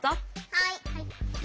はい。